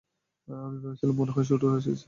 আমি ভেবেছিলাম ও মনে হয় শুটুর সাথে আছে।